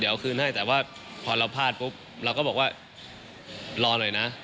เดี๋ยวคืนให้แต่ว่าพอเราพลาดปุ๊บเราก็บอกว่ารอหน่อยนะ